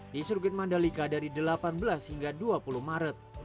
di sirkuit mandalika dari delapan belas hingga dua puluh maret